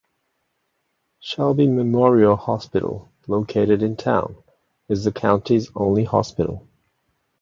Shelby Memorial Hospital, located in town, is the county's only hospital.